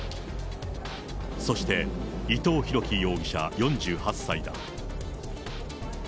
そして伊藤宏樹容疑者４８歳だ。